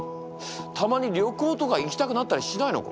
たまに旅行とか行きたくなったりしないのか？